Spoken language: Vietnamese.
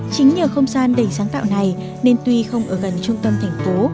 chính nhờ không gian đầy sáng tạo này nên tuy không ở gần trung tâm thành phố